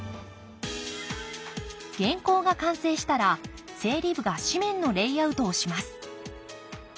原稿が完成したら整理部が紙面のレイアウトをします。